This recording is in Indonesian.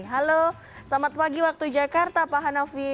halo selamat pagi waktu jakarta pak hanafi